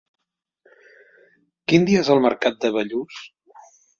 Quin dia és el mercat de Bellús?